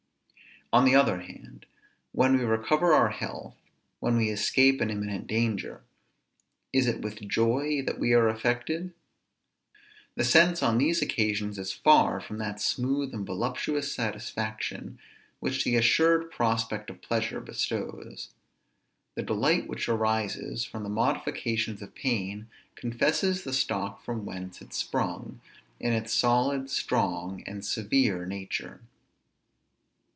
On the other hand, when we recover our health, when we escape an imminent danger, is it with joy that we are affected? The sense on these occasions is far from that smooth and voluptuous satisfaction which the assured prospect of pleasure bestows. The delight which arises from the modifications of pain confesses the stock from whence it sprung, in its solid, strong, and severe nature.